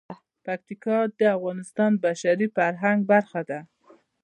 پکتیکا د افغانستان د بشري فرهنګ برخه ده.